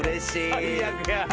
最悪や。